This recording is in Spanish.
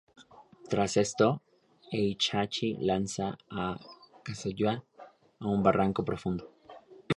Tras esto, Heihachi lanza a Kazuya a un barranco profundo.